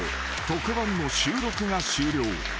特番の収録が終了］